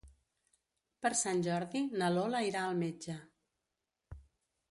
Per Sant Jordi na Lola irà al metge.